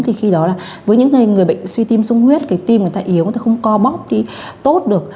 thì khi đó là với những người bệnh suy tim sung huyết cái tim người ta yếu người ta không co bóc đi tốt được